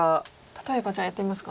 例えばじゃあやってみますか。